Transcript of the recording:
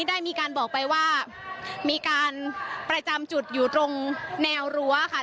ได้มีการบอกไปว่ามีการประจำจุดอยู่ตรงแนวรั้วค่ะ